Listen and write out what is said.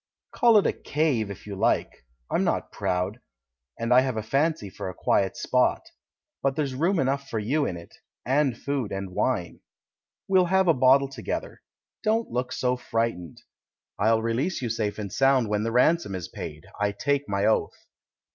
"Call it a 'cave' if you like — I'm not proud, and I have a fancy for a quiet spot. But there's room enough for you in it — and food and wine. 172 THE MAN WHO UNDERSTOOD WOMEN We'll have a bottle together. Don't look so frightened. I'll release you safe and sound when the ransom is paid, I take my oath."